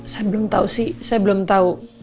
saya belum tahu sih saya belum tahu